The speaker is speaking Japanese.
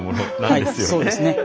はいそうですね。